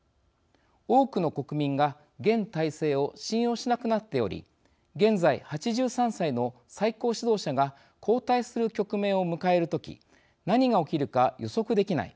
多くの国民が現体制を信用しなくなっており現在８３歳の最高指導者が交代する局面を迎える時何が起きるか予測できない。